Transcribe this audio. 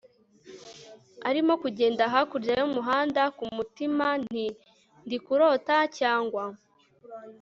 arimo kugenda hakurya yumuhanda, kumutima nti ndikurota cyangwa